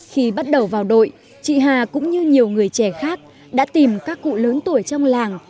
khi bắt đầu vào đội chị hà cũng như nhiều người trẻ khác đã tìm các cụ lớn tuổi trong làng